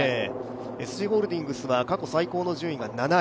ＳＧホールディングスは過去最高の順位が７位。